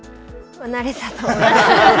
なれたと思います。